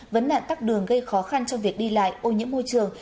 vấn nạn tắc đường gây khó khăn trong việc đi lại ô nhiễm môi trường